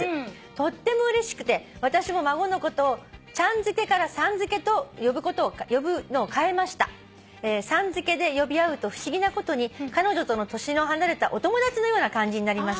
「とってもうれしくて私も孫のことをちゃん付けからさん付けと呼ぶのを変えました」「さん付けで呼び合うと不思議なことに彼女との年の離れたお友達のような感じになりました」